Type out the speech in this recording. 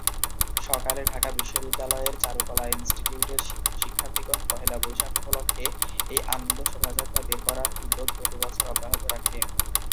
সকালে ঢাকা বিশ্ববিদ্যালয়ের চারুকলা ইন্সটিটিউটের শিক্ষক-শিক্ষার্থীগণ পহেলা বৈশাখ উপলক্ষে এই আনন্দ শোভাযাত্রা বের করার উদ্যোগ প্রতি বছর অব্যাহত রাখে।